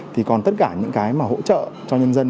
thì còn tất cả những cái mà hỗ trợ cho nhân dân